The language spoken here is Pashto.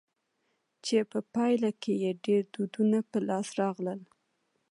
چي په پايله کښي ئې ډېر دودونه په لاس راغلل.